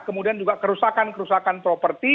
kemudian juga kerusakan kerusakan properti